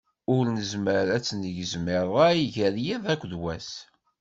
Ur nezmir ad tt-negzem i rray gar yiḍ akked wass.